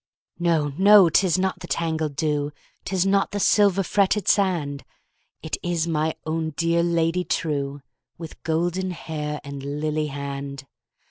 No! no! 'tis not the tangled dew,'Tis not the silver fretted sand, It is my own dear Lady trueWith golden hair and lily hand!